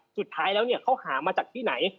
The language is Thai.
สุดท้ายแล้วเนี่ยเขาหามาจากที่ไหน